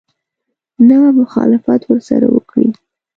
نه به مخالفت ورسره وکړي.